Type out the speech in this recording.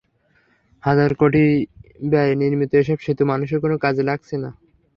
হাজার কোটি ব্যয়ে নির্মিত এসব সেতু মানুষের কোনো কাজে লাগছে না।